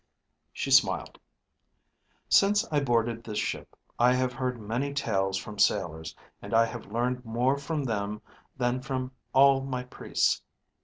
She smiled. "Since I boarded this ship I have heard many tales from sailors, and I have learned more from them than from all my priests.